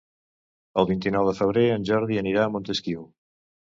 El vint-i-nou de febrer en Jordi anirà a Montesquiu.